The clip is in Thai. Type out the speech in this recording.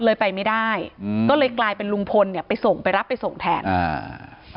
เลยไปไม่ได้อืมก็เลยกลายเป็นลุงพลเนี่ยไปส่งไปรับไปส่งแทนอ่า